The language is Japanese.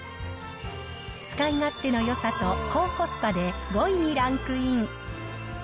使い勝手のよさと高コスパで、５位にランクイン。